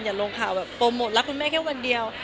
แต่รเป็นโลงข่าวโปรโมทรักคุณแม่ก็แค่วันเดียว